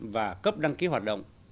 và cấp đăng ký hoạt động